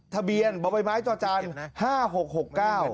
ทะเบียนเบาะใบไม้ต่อจาน๕๖๖๙